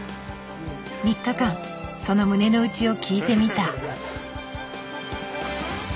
３日間その胸の内を聞いてみた。